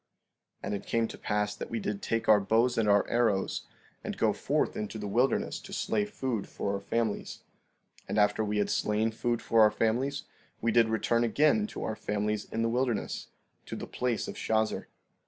16:14 And it came to pass that we did take our bows and our arrows, and go forth into the wilderness to slay food for our families; and after we had slain food for our families we did return again to our families in the wilderness, to the place of Shazer.